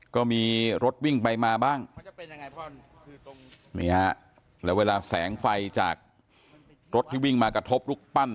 ก็มีรถวิ่งไปมาบ้างนี่ฮะแล้วเวลาแสงไฟจากรถที่วิ่งมากระทบรูปปั้น